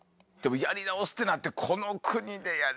やり直すってなってこの国で。